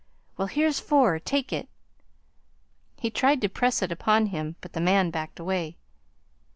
Well, here's four. Take it." He tried to press it upon him, but the man backed away.